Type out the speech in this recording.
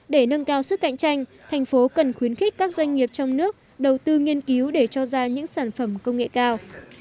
để nâng cao sức cạnh tranh thành phố cần khuyến khích các doanh nghiệp trong nước đầu tư nghiên cứu để cho ra những sản phẩm công nghệ cao